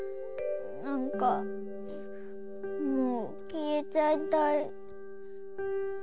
なんかもうきえちゃいたい。